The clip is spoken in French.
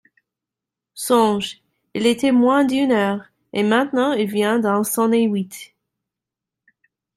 Songe … il était moins d'une heure, et maintenant il vient d'en sonner huit.